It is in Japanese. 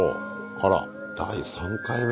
あら第３回目？